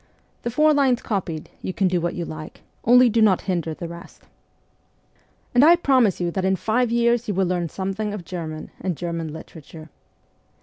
The four lines copied, you can do what you like ; only do not hinder the rest. And I promise you that in five years you H 2 100 MEMOIRS OF A REVOLUTIONIST will learn something of German and German literature.